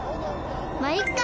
まっいっか！